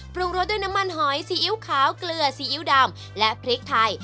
ปรุงรสด้วยน้ำมันหอยซีอิ๊วขาวเกลือซีอิ๊วดำและพริกไทย